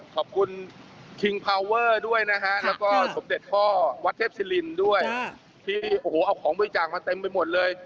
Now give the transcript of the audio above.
ขอบคุณด้วยนะฮะแล้วก็สมเด็จพ่อวัดเทพศิลป์ด้วยค่ะที่โอ้โหเอาของบริจาคมาเต็มไปหมดเลย